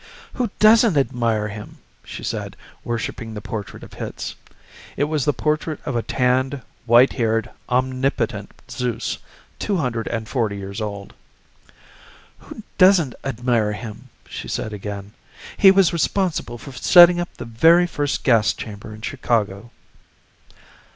"Who doesn't admire him?" she said, worshiping the portrait of Hitz. It was the portrait of a tanned, white haired, omnipotent Zeus, two hundred and forty years old. "Who doesn't admire him?" she said again. "He was responsible for setting up the very first gas chamber in Chicago."